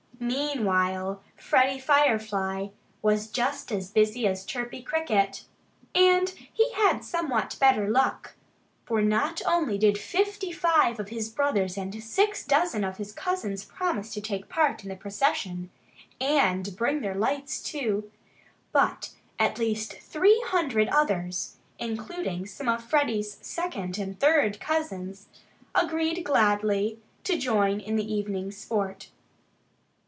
Meanwhile Freddie Firefly was just as busy as Chirpy Cricket. And he had somewhat better luck. For not only did fifty five of his brothers and six dozen of his cousins promise to take part in the procession and bring their lights, too but at least three hundred others, including some of Freddie's second and third cousins, agreed gladly to join in the evening's sport.